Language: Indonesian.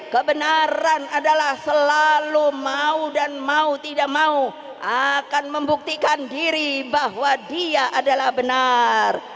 kebenaran adalah selalu mau dan mau tidak mau akan membuktikan diri bahwa dia adalah benar